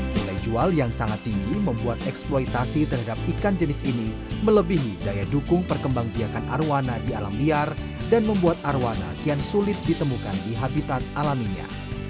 nilai jual yang sangat tinggi membuat eksploitasi terhadap ikan jenis ini melebihi daya dukung perkembang biakan arowana di alam liar dan membuat arowana kian sulit ditemukan di habitat alaminya